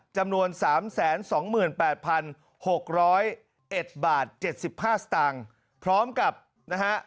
จำนวน๓๒๘๖๐๑บาท๗๕สตางค์พร้อมกับนะฮะ